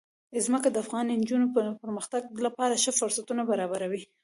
ځمکه د افغان نجونو د پرمختګ لپاره ښه فرصتونه برابروي.